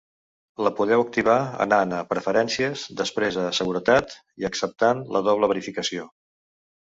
La podeu activar anant a ‘preferències’, després a ‘seguretat’ i acceptant la doble verificació.